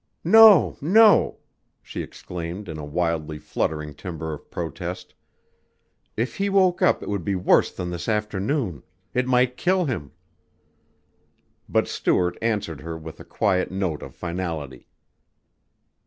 "No, no!" she exclaimed in a wildly fluttering timbre of protest. "If he woke up it would be worse than this afternoon it might kill him!" But Stuart answered her with a quiet note of finality.